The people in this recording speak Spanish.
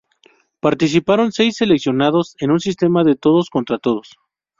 Participaron seis seleccionados en un sistema de todos contra todos.